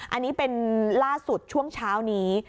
อันนี้เป็นล่าสุดช่วงเช้านี้